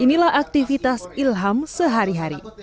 inilah aktivitas ilham sehari hari